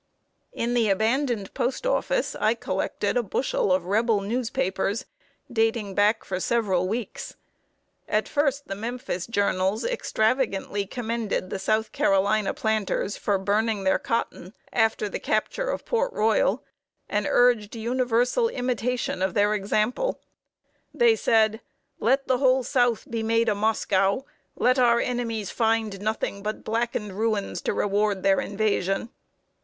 In the abandoned post office I collected a bushel of Rebel newspapers, dating back for several weeks. At first the Memphis journals extravagantly commended the South Carolina planters for burning their cotton, after the capture of Port Royal, and urged universal imitation of their example. They said: "Let the whole South be made a Moscow; let our enemies find nothing but blackened ruins to reward their invasion!"